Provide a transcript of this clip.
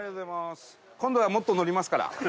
今度はもっと乗りますから。